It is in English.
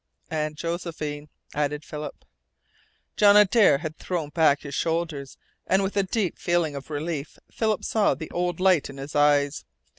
"And Josephine," added Philip. John Adare had thrown back his shoulders, and with a deep feeling of relief Philip saw the old light in his eyes.